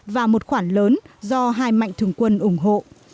và một khoản lớn do hai mạnh thường quân ủng hộ